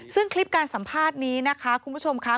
ซึ่งคลิปการสัมภาษณ์นี้นะคะคุณผู้ชมค่ะ